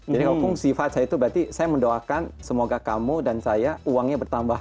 jadi kalau kongsi facai itu berarti saya mendoakan semoga kamu dan saya uangnya bertambah